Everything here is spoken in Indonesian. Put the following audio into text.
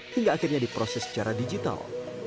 hingga akhirnya diproses secara digital